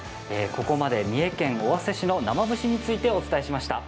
ここまで三重県尾鷲市の生節についてお伝えしました。